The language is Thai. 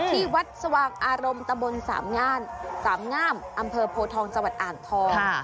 ที่วัดสว่างอารมณ์ตะบนสามงามสามงามอำเภอโพทองจังหวัดอ่างทอง